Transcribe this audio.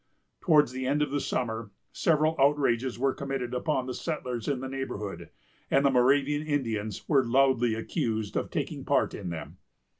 Towards the end of the summer, several outrages were committed upon the settlers in the neighborhood, and the Moravian Indians were loudly accused of taking part in them.